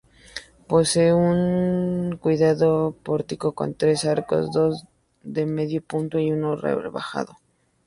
Posee un cuidado pórtico con tres arcos, dos de medio punto y uno rebajado.